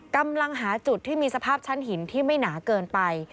กำลังหาจุดที่มีสภาพชั้นหินที่ไม่หนาเกินไป